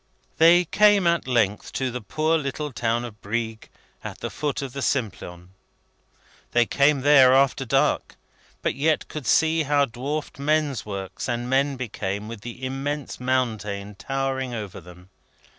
They came, at length, to the poor little town of Brieg, at the foot of the Simplon. They came there after dark, but yet could see how dwarfed men's works and men became with the immense mountains towering over them.